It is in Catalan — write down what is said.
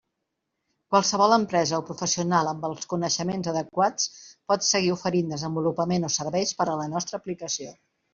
Qualsevol empresa o professional, amb els coneixements adequats, pot seguir oferint desenvolupament o serveis per a la nostra aplicació.